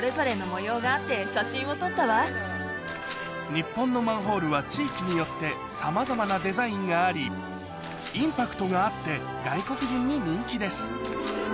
日本のマンホールは地域によってさまざまなデザインがありインパクトがあって外国人に人気です